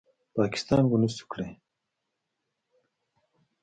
پاکستان ونشو کړې